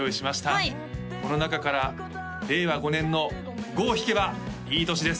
はいこの中から令和５年の５を引けばいい年です